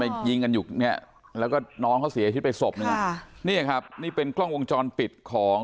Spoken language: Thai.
ไปยิงกันอยู่นี่แล้วก็น้อเขาเสียชิดไปสบค่ะนี่ครับนี่เป็นคล่องวงจรปิดของ